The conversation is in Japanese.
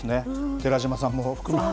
寺島さんも含めて。